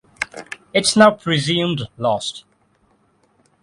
It is now presumed lost.